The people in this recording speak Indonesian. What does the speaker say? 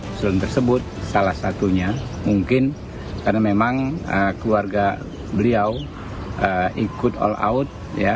usulan tersebut salah satunya mungkin karena memang keluarga beliau ikut all out